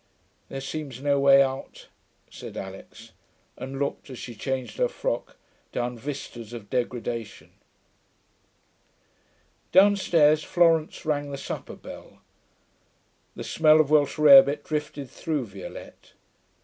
'There seems no way out,' said Alix, and looked, as she changed her frock, down vistas of degradation. Downstairs Florence rang the supper bell. The smell of Welsh rarebit drifted through Violette.